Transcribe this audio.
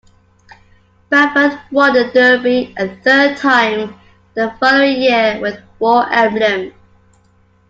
Baffert won the Derby a third time the following year with War Emblem.